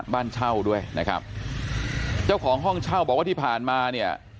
บ้านเช่าด้วยนะครับเจ้าของห้องเช่าบอกว่าที่ผ่านมาเนี่ย